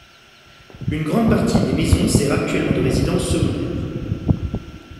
Une grande partie des maisons sert actuellement de résidence secondaire.